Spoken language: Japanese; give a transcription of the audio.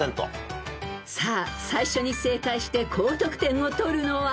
［さあ最初に正解して高得点を取るのは？］